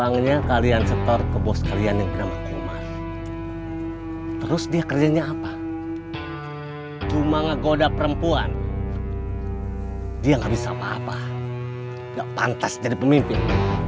gak pantas jadi pemimpin